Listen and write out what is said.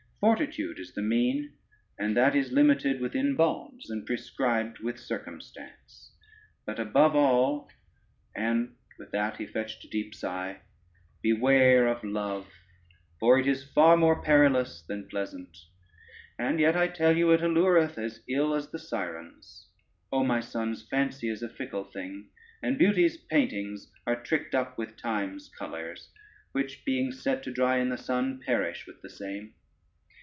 Fortitude is the mean, and that is limited within bonds, and prescribed with circumstance. But above all," and with that he fetched a deep sigh, "beware of love, for it is far more perilous than pleasant, and yet, I tell you, it allureth as ill as the Sirens. O my sons, fancy is a fickle thing, and beauty's paintings are tricked up with time's colors, which, being set to dry in the sun, perish with the same.